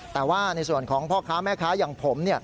แต่ว่าในส่วนของพ่อค้าแม่ค้าอย่างผม